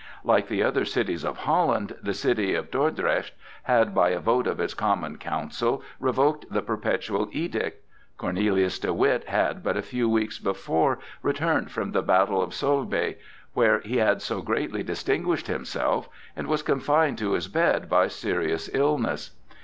Like the other cities of Holland, the city of Dordrecht had, by a vote of its Common Council, revoked the Perpetual Edict. Cornelius de Witt had but a few weeks before returned from the battle of Solbay, where he had so greatly distinguished himself, and was confined to his bed by serious illness.